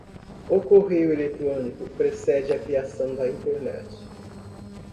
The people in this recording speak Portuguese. O correio eletrónico precede a criação da Internet.